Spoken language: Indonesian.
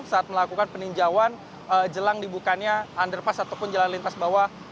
saat melakukan peninjauan jelang dibukanya underpass ataupun jalan lintas bawah